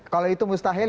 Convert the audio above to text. kalau itu mustahil